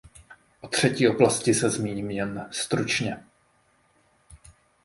O třetí oblasti se zmíním jen stručně.